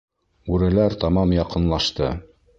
Бүреләр тамам яҡынлашты.